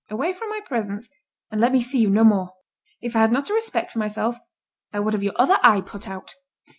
Away from my presence, and let me see you no more! If I had not a respect for myself, I would have your other eye put out."